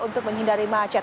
untuk menghindari macet